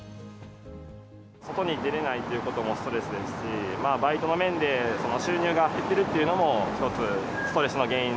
外に出れないということもストレスですし、バイトの面で、収入が減ってるっていうのも、一つ、ストレスの原因。